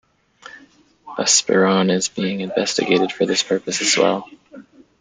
Buspirone is being investigated for this purpose as well.